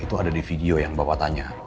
itu ada di video yang bapak tanya